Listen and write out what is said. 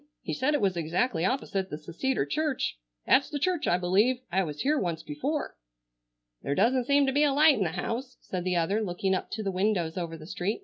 "He said it was exactly opposite the Seceder church. That's the church, I believe. I was here once before." "There doesn't seem to be a light in the house," said the other, looking up to the windows over the street.